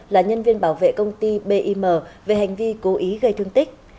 là nhân viên bảo vệ công ty bim về hành vi cố ý gây thương tích